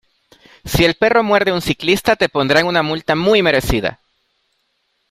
Si el perro muerde a un ciclista, te pondrán una multa muy merecida.